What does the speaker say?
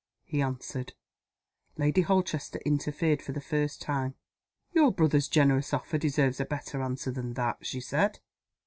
he answered. Lady Holchester interfered for the first time. "Your brother's generous offer deserves a better answer than that," she said.